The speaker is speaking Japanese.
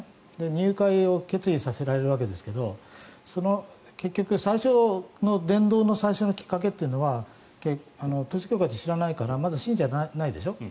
入会を決意させられるわけですけど伝道の最初のきっかけというのは統一教会と知らないからまず信者じゃないでしょ。